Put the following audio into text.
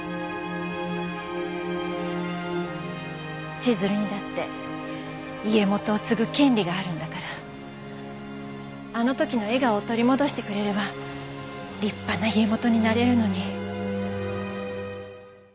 千鶴にだって家元を継ぐ権利があるんだからあのときの笑顔を取り戻してくれれば立派な家元になれるのに。